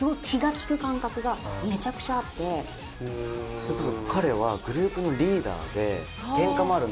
それこそ。